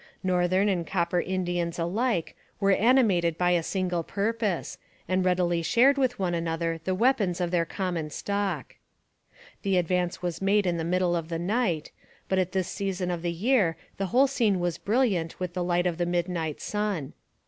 Northern and Copper Indians alike were animated by a single purpose and readily shared with one another the weapons of their common stock. The advance was made in the middle of the night, but at this season of the year the whole scene was brilliant with the light of the midnight sun.